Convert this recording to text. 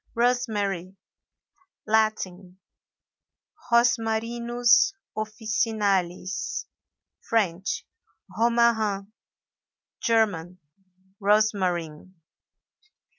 ROSEMARY. Latin—Rosmarinus officinalis; French—Romarin; German—Rosmarin.